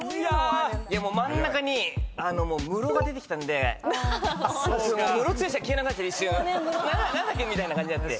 もう真ん中に「ムロ」が出てきたんでムロツヨシが消えなくなって一瞬何だっけ？みたいになって。